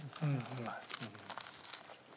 うまい。